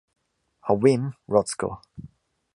A whim, Rotzko.